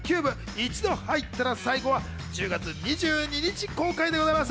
一度入ったら、最後』は１０月２２日公開でございます。